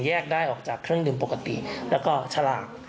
ได้ออกจากเครื่องดื่มปกติแล้วก็ฉลาก